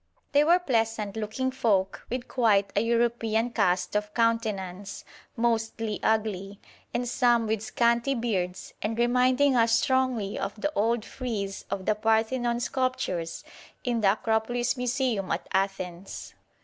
They were pleasant looking folk with quite a European cast of countenance, mostly ugly, and some with scanty beards, and reminding us strongly of the old frieze of the Parthenon sculptures in the Acropolis Museum at Athens.